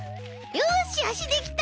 よしあしできた！